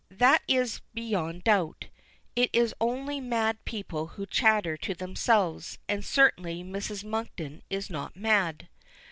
That is beyond doubt. It is only mad people who chatter to themselves, and certainly Mrs. Monkton is not mad.